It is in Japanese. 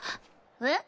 えっ？